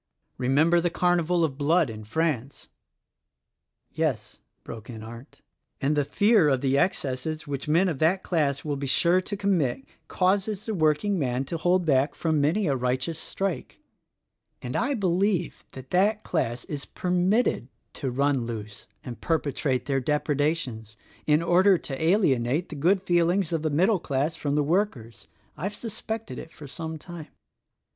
Remember the carnival of blood in France!" "Yes," broke in Arndt, "and the fear of the excesses which men of that class will be sure to commit causes the workingman to hold back from many a righteous THE RECORDING ANGEL 45 strike; an'd I believe that that class is permitted to run loose and perpetrate their depredations in order to alienate the good feeling's of the middle class from the workers. I've suspected it for some time.